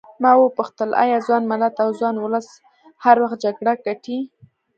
ما وپوښتل ایا ځوان ملت او ځوان ولس هر وخت جګړه ګټي.